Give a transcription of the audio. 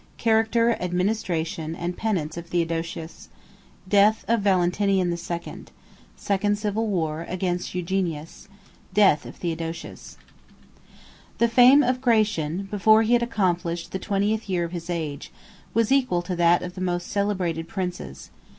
—Character, Administration, And Penance Of Theodosius.—Death Of Valentinian II.—Second Civil War, Against Eugenius.—Death Of Theodosius. The fame of Gratian, before he had accomplished the twentieth year of his age, was equal to that of the most celebrated princes.